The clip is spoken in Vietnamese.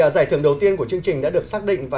giải thưởng đầu tiên của chương trình đã được xác định